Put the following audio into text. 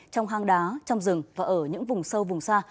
trong hang đá trong rừng và ở những vùng sâu vùng xa